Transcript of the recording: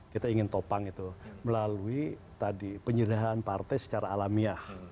kita ingin topang itu melalui penyedahan partai secara alamiah